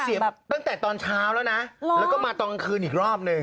ตั้งแต่ตอนเช้าแล้วนะแล้วก็มาตอนกลางคืนอีกรอบหนึ่ง